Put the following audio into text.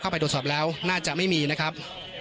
เข้าไปโดดสอบแล้วน่าจะไม่มีนะครับ